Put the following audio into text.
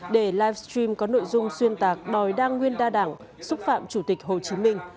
để livestream có nội dung xuyên tạc đòi đa nguyên đa đảng xúc phạm chủ tịch hồ chí minh